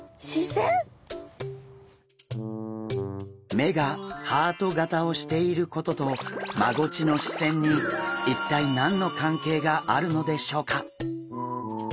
目がハート型をしていることとマゴチの視線に一体何の関係があるのでしょうか？